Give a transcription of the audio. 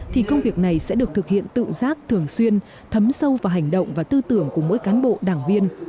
thì công việc này sẽ được thực hiện tự giác thường xuyên thấm sâu vào hành động và tư tưởng của mỗi cán bộ đảng viên